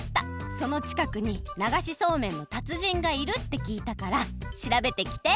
そのちかくにながしそうめんのたつじんがいるってきいたからしらべてきて！